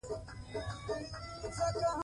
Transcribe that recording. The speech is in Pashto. د ډاکټر نجیب الله په حکومت کې نرمښت راغی.